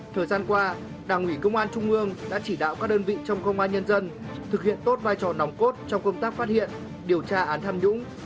thời gian qua đảng ủy công an trung ương đã chỉ đạo các đơn vị trong công an nhân dân thực hiện tốt vai trò nòng cốt trong công tác phát hiện điều tra án tham nhũng